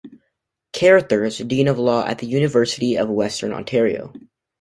Carrothers, Dean of law at the University of Western Ontario.